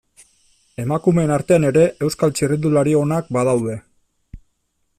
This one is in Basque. Emakumeen artean ere, Euskal txirrindulari onak badaude.